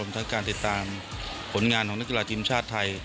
ทั้งการติดตามผลงานของนักกีฬาทีมชาติไทย